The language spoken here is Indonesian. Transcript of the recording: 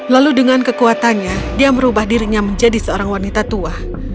lalu dengan kekuatannya dia merubah dirinya menjadi seorang wanita tua